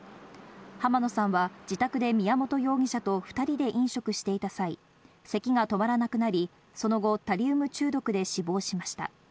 浜野さんは自宅で宮本容疑者と２人で飲食していた際、咳が止まらなくなり、その後、タリウム中毒で死亡しました。